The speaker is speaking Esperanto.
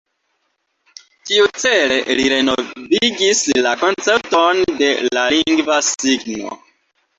Tiucele li renovigis la koncepton de la lingva signo.